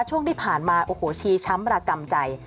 ช่วงที่ผ่านมาโอ้โหชีช้ำระกำใจ